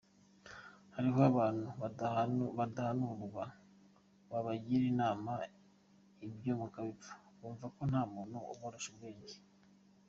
Hariho abantu badahanurwa, wabagira inama ibyo mukabipfa, bumva ko nta muntu ubarusha ubwenge.